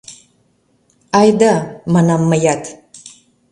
— Айда! — манам мыят.